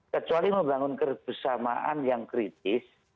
kecuali membangun kebersamaan yang kritis